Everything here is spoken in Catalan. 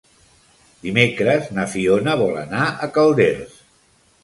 Dimecres na Fiona vol anar a Calders.